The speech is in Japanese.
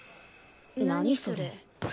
何それ。